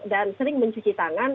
dan sering mencuci tangan